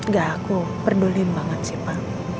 gak aku peduli banget siapa